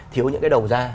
thiếu những cái đầu ra